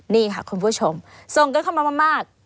นี่ค่ะคุณผู้ชมส่งกันเข้ามามาก